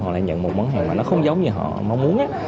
họ lại nhận một món hàng mà nó không giống như họ mong muốn